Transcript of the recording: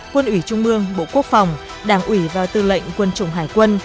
quân ủy trung mương bộ quốc phòng đảng ủy và tư lệnh quân chủng hải quân